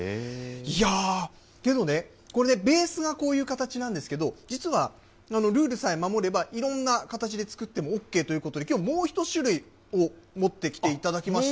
いやぁ、けどね、これね、ベースがこういう形なんですけど、実は、ルールさえ守れば、いろんな形で作ってもＯＫということで、きょうもう１種類を持ってきていただきました。